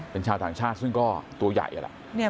เป็นชาวต่างชาติซึ่งก็ตัวใหญ่แหละ